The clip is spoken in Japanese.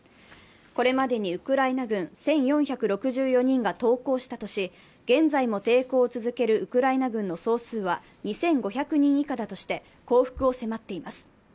これまでにウクライナ軍１４６４人が投降したとし、現在も抵抗を続けるウクライナ軍の総数は２５００人以下だとして、降伏を迫っています。